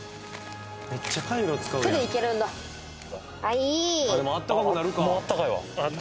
めっちゃカイロ使うやんあっ